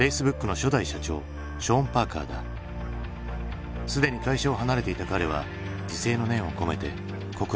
すでに会社を離れていた彼は自省の念を込めて告白した。